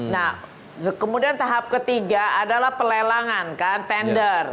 nah kemudian tahap ketiga adalah pelelangan kan tender